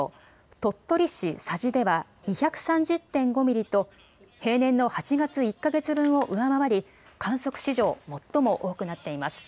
鳥取市佐治では２３０．５ミリと、平年の８月１か月分を上回り、観測史上最も多くなっています。